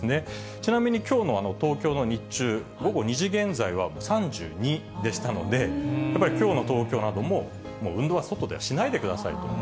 ちなみにきょうの東京の日中、午後２時現在は３２でしたので、やっぱりきょうの東京なども、もう運動は外ではしないでくださいと。